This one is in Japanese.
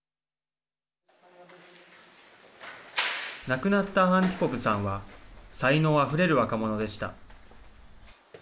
亡くなったアンティポブさんは才能あふれる若者でした。